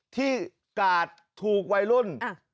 ที่กาดถูกวัยรุ่น